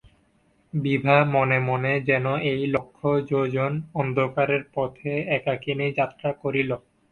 বিভা মনে মনে যেন এই লক্ষ যোজন অন্ধকারের পথে একাকিনী যাত্রা করিল।